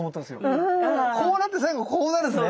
こうなって最後こうなるんですね。